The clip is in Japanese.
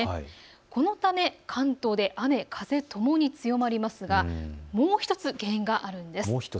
このため関東で雨風ともに強まるんですがもう１つ原因があるんです。